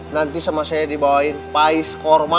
nanti sama saya dibawain pais korma